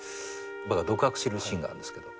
独白するシーンがあるんですけど。